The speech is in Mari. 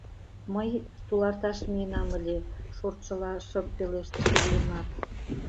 — Мый... туларташ миенам ыле, — шортшыла шып пелештыш Иллимар.